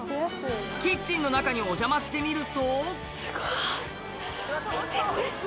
キッチンの中にお邪魔してみるとすごい見てこれ。